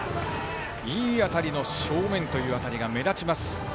いい当たりの正面という当たりが目立ちます。